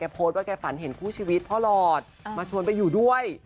โพสต์ว่าแกฝันเห็นคู่ชีวิตพ่อหลอดมาชวนไปอยู่ด้วย